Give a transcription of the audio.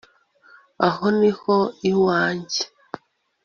aho ni ho iwanjye